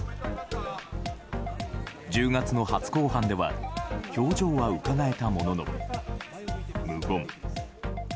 １０月の初公判では表情はうかがえたものの無言。